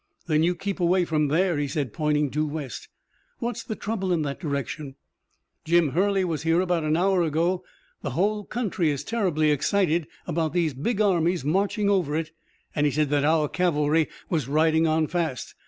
"Then you keep away from there," he said, pointing due west. "What's the trouble in that direction?" "Jim Hurley was here about an hour ago. The whole country is terribly excited about these big armies marching over it, and he said that our cavalry was riding on fast.